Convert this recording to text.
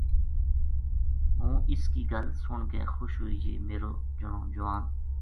ہوں اس کی گل سن کے خوش ہوئی جے میرو جنو جوان